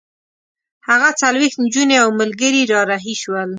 هغه څلوېښت نجونې او ملګري را رهي شول.